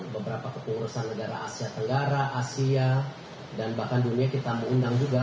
beberapa kepengurusan negara asia tenggara asia dan bahkan dunia kita mengundang juga